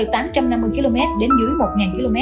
từ tám trăm năm mươi km đến dưới một km